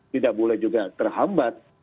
tidak boleh juga terhambat